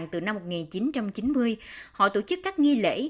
thu hút các nghi lễ